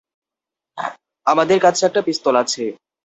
আমাদের কাছে একটা পিস্তল আছে।